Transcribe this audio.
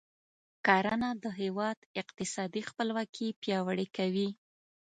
کرنه د هیواد اقتصادي خپلواکي پیاوړې کوي.